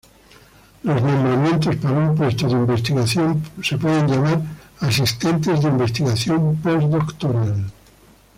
Los nombramientos para un puesto de investigación pueden ser llamados "asistentes de investigación postdoctoral".